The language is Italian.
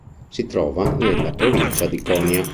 Si trova nella provincia di Konya.